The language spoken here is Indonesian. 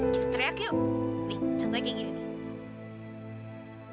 kita teriak yuk nih contohnya kayak gini nih